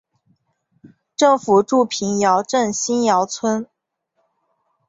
政府驻瓶窑镇新窑村。